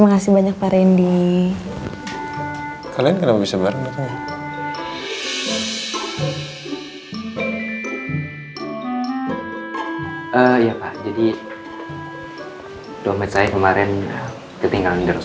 makasih ya pak udah dateng kesini pak